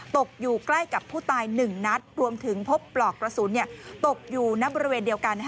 ตกอยู่ใกล้กับผู้ตาย๑นัดรวมถึงพบปลอกกระสุนตกอยู่ณบริเวณเดียวกัน